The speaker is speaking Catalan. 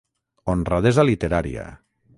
Honradesa literària.